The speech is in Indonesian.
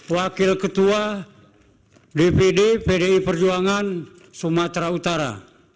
wakil ketua dpd pdi perjuangan sumatera utara